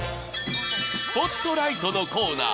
スポットライトのコーナー